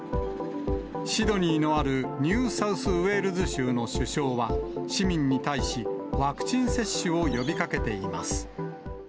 シドニーのあるニューサウスウェールズ州の首相は、市民に対し、ワクチン接種を呼びかけています。